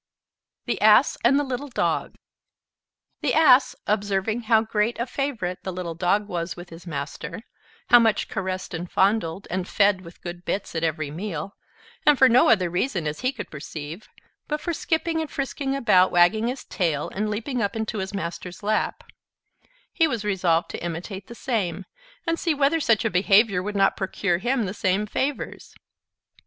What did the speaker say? THE ASS AND THE LITTLE DOG The Ass, observing how great a favorite the little Dog was with his Master, how much caressed and fondled, and fed with good bits at every meal; and for no other reason, as he could perceive, but for skipping and frisking about, wagging his tail, and leaping up into his Master's lap: he was resolved to imitate the same, and see whether such a behavior would not procure him the same favors.